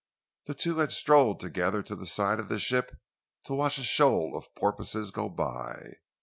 The two had strolled together to the side of the ship to watch a shoal of porpoises go by.